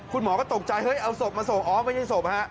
คุณหมอก็ตกใจเฮ้ยเอาศพมาส่งอ๋อไม่ใช่ศพฮะ